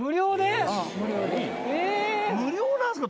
無料なんですか？